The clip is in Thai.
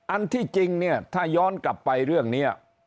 อันที่จริงเนี่ยถ้าย้อนกลับไปเรื่องนี้